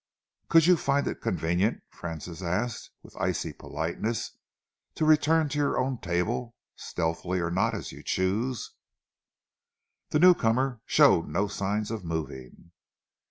"Could you find it convenient," Francis asked, with icy politeness, "to return to your own table, stealthily or not, as you choose?" The newcomer showed no signs of moving.